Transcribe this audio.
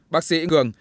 bác sĩ cường